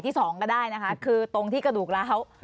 สองก็ได้นะคะคือตรงที่กระดูกร้าว